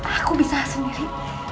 aku bisa sendiri